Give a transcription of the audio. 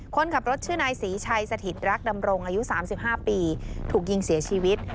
คนขับรถชื่อนายศรีชัยสถิตรักดำรงอายุ๓๕ปีถูกยิงเสียชีวิต